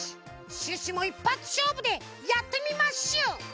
シュッシュもいっぱつしょうぶでやってみまッシュ！